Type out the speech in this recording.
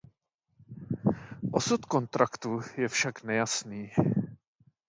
Osud kontraktu je však nejasný.